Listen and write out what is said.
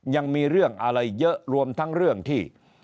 ยังมีเรื่องอะไรเยอะรวมทั้งเรื่องที่